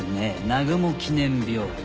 「南雲記念病院」。